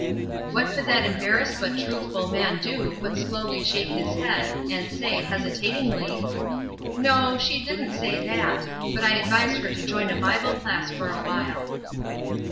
What could that embarrassed but truthful man do but slowly shake his head, and say, hesitatingly: "No, she didn't say that; but I advised her to join a Bible class for awhile."